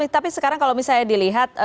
tapi sekarang kalau misalnya dilihat